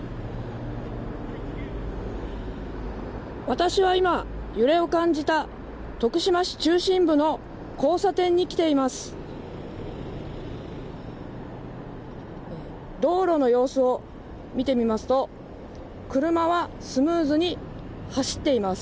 私は今、揺れを感じた徳島市中心部の交差点に来ています。